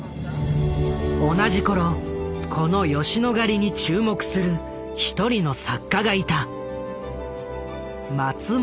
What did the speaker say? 同じ頃この吉野ヶ里に注目する一人の作家がいた。